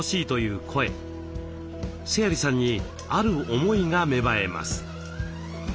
須鑓さんにある思いが芽生えます。